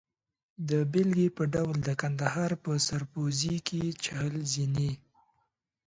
د بېلګې په ډول د کندهار په سرپوزي کې چهل زینې.